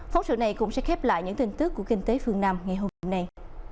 phóng sự này cũng sẽ khép lại những tin tức của kinh tế phương nam ngày hôm nay